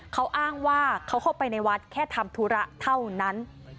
เขาอ้างว่าเขาเข้าไปในวัดแค่ทำธุระเท่านั้น